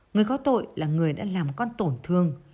người có tội là người đã làm con tổn thương